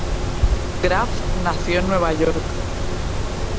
Graff nació en Nueva York.